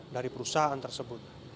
dari perusahaan tersebut